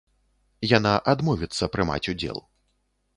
Яна адмовіцца прымаць удзел.